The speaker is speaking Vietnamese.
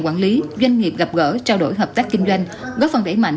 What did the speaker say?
quản lý doanh nghiệp gặp gỡ trao đổi hợp tác kinh doanh góp phần đẩy mạnh